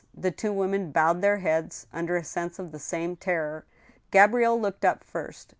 The two women bowed their heads under a sense of the same terror. Gabrielle looked up first.